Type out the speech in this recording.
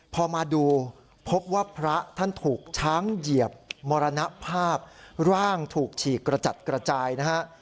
พอมาดูพบว่าพระท่านถูกช้างเหยียบมรณภาพร่างถูกฉีกกระจัดกระจายนะฮะ